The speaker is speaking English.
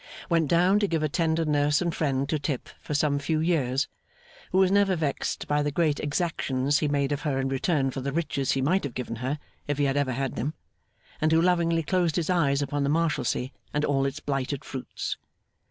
Went down to give a tender nurse and friend to Tip for some few years, who was never vexed by the great exactions he made of her in return for the riches he might have given her if he had ever had them, and who lovingly closed his eyes upon the Marshalsea and all its blighted fruits.